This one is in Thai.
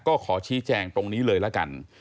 ก็ขอชี้แจงตรงนี้เลยละกัน